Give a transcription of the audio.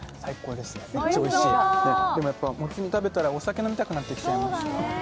でも、もつ煮食べたら、お酒飲みたくなってきちゃいました。